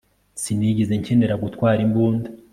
Sinigeze nkenera gutwara imbunda